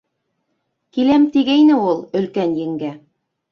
— Киләм тигәйне ул, өлкән еңгә.